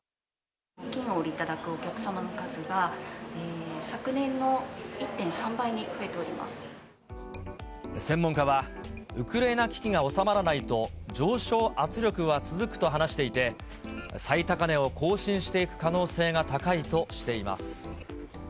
金をお売りいただくお客様の数が、専門家は、ウクライナ危機が収まらないと、上昇圧力は続くと話していて、最高値を更新していく可能性が高いとしています。